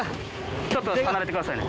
ちょっと離れてくださいね。